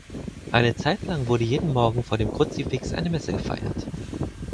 Eine Zeit lang wurde jeden Morgen vor dem Kruzifix eine Messe gefeiert.